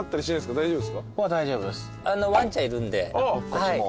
こっちも。